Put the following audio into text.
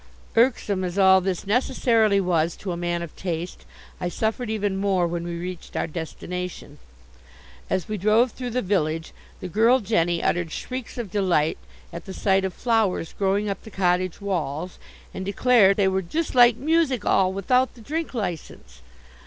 Irksome as all this necessarily was to a man of taste, I suffered even more when we reached our destination. As we drove through the village the girl Jenny uttered shrieks of delight at the sight of flowers growing up the cottage walls, and declared they were "just like music 'all without the drink license."